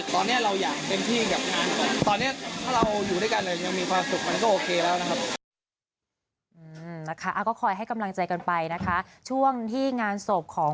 ตอนนี้เราอยากเต็มที่กับงานก่อน